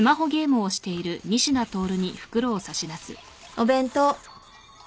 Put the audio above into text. お弁当。